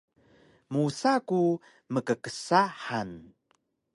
musa ku mkksa han